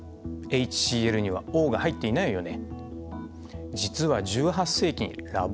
ＨＣｌにはＯが入っていないよね。